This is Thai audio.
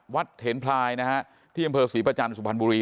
วัดเหนพลายนะฮะที่บำเวอสี่ประจานกฤษพลันโบรี